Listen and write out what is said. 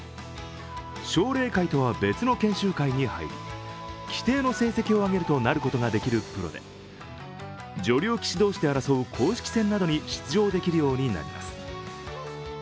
奨励会とは別の研修会に入り規定の成績を上げるとなることができるプロで女流棋士同士で争う公式戦などに出場できるようになります。